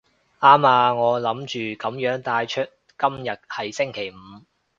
啱啊，我諗住噉樣帶出今日係星期五